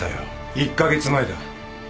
１カ月前だ。